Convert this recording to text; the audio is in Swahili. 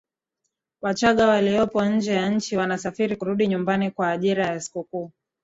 wachaga waliyopo nje ya nchi wanasafiri kurudi nyumbani kwa ajiri ya sikukuu